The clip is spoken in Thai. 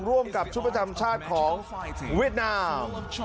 ร่วมกับชุดประจำชาติของเวียดนาม